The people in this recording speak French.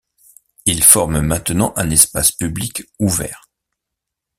Ils forment maintenant un espace public ouvert.